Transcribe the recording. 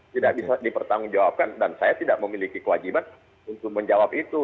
tidak bisa dipertanggungjawabkan dan saya tidak memiliki kewajiban untuk menjawab itu